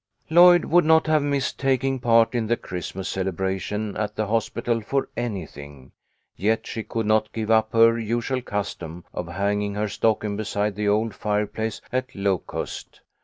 Lloyd would not have missed taking part in the Christmas celebration at the hospital for anything, yet she could not give up her usual custom of hang ing her stocking beside the old fireplace at Locust.